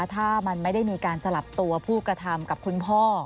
ถ้ามันไม่ได้มีการสลับตัวผู้กระทำกับคุณพ่อ